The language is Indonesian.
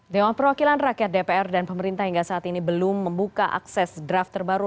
dewan perwakilan rakyat dpr dan pemerintah hingga saat ini belum membuka akses draft terbaru